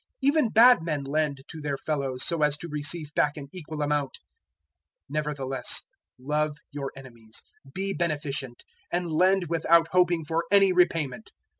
Even bad men lend to their fellows so as to receive back an equal amount. 006:035 Nevertheless love your enemies, be beneficent; and lend without hoping for any repayment.